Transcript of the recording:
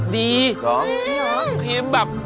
นี้ทางนี้